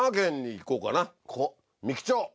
ここ三木町。